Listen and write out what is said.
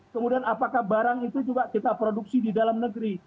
kemudian apakah barang itu juga kita produksi di dalam negeri